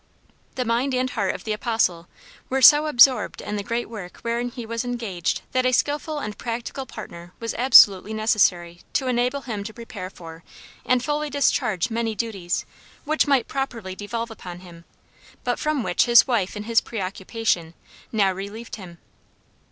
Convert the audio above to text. The mind and heart of the "Apostle" were so absorbed in the great work wherein he was engaged that a skillful and practical partner was absolutely necessary to enable him to prepare for and fully discharge many duties which might properly devolve upon him, but from which his wife in his preoccupation now relieved him.